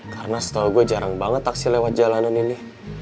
karena setau gue jarang banget taksi lewat jalanan ini